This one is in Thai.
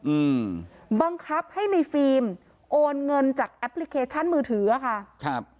อืมบังคับให้ในฟิล์มโอนเงินจากแอปพลิเคชันมือถืออ่ะค่ะครับ